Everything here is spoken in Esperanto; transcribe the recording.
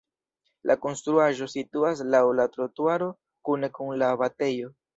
La konstruaĵo situas laŭ la trotuaro kune kun la abatejo.